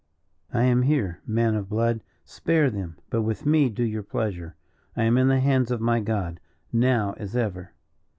"I am here, man of blood. Spare them. But with me do your pleasure; I am in the hands of my God, now as ever."